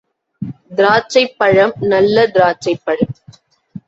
திராட்சைப் பழம்—நல்ல திராட்சைப் பழம்.